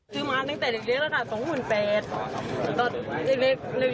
คือมาตั้งแต่เล็กแล้วค่ะ๒๘๐๐ก็เล็ก